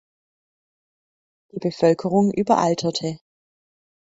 Die Bevölkerung überalterte.